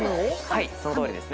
はいそのとおりですね。